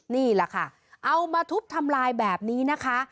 นี่แหละค่ะเอามาทุบทำลายแบบนี้นะคะ